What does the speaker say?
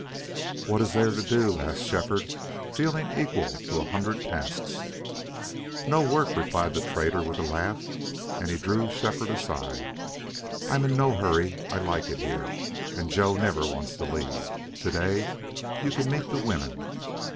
"What is there to do?" asked Shefford, feeling equal to a hundred tasks. "No work," replied the trader, with a laugh, and he drew Shefford aside, "I'm in no hurry. I like it here. And Joe never wants to leave. To day you can meet the women.